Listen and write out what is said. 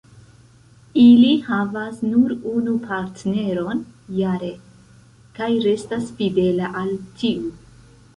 Ili havas nur unu partneron jare, kaj restas fidela al tiu.